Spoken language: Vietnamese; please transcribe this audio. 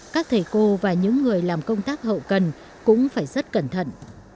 các thầy cô và những người làm công tác hậu cần cũng phải rất cẩn thận